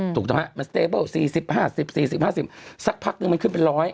ถูกใช่ไหมมันควรสควรที่๔๐๕๐สักพักนึงมันขึ้นเป็น๑๐๐